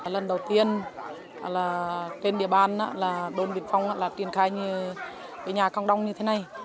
lần đầu tiên trên địa bàn đồn biên phòng là triển khai nhà cộng đồng như thế này